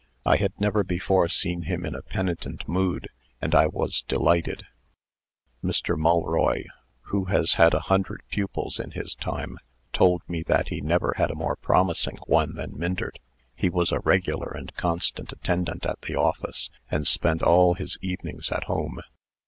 I had never before seen him in a penitent mood, and I was delighted. Mr. Mulroy, who has had a hundred pupils in his time, told me that he never had a more promising one than Myndert. He was a regular and constant attendant at the office, and spent all his evenings at home.